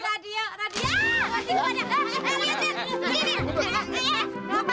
konteks menyiar radio